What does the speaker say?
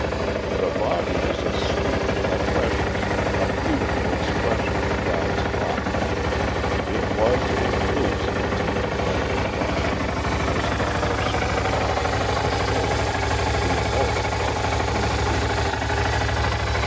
The body is a sweet, a precious, a beautiful expression of God's thought; it was and is intended by the Divine as the house of the mind, the soul, the immortal part of the human being.